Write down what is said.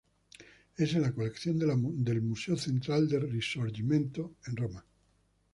Es en la colección de la Museo Central del Risorgimento, en Roma.